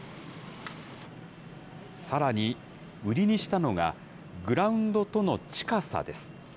さらに、売りにしたのが、グラウンドとの近さです。